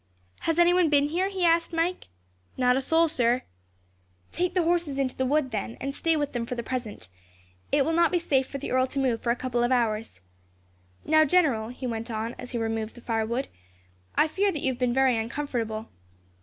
"Has anyone been here?" he asked Mike. "Not a soul, sir." "Take the horses into the wood, then, and stay with them for the present. It will not be safe for the earl to move for a couple of hours. "Now, General," he went on, as he removed the firewood, "I fear that you have been very uncomfortable."